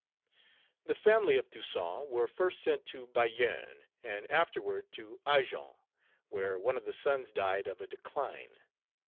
The family of Toussaint were first sent to Bayonne, and afterward to Agen, where one of the sons died of a decline.